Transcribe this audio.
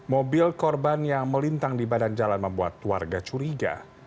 mobil korban yang melintang di badan jalan membuat warga curiga